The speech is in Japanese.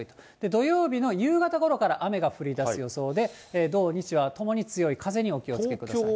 土曜日の夕方ごろから雨が降りだす予想で、土、日はともに強い風にお気をつけください。